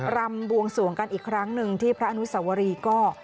รำบวงสวงกันอีกครั้งหนึ่งที่พระอนุสวรีก็